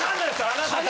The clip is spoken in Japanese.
あなた達。